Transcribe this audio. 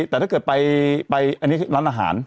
แต่ถ้าเกิดไปอันนี้คือร้านอาหาร